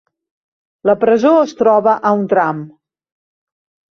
La presó es troba a un tram.